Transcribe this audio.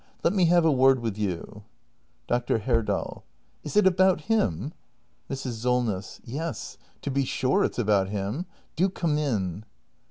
Let me have a word with you. Dr. Herdal. Is it about him! Mrs. Solness. Yes, to be sure it's about him. Do come in.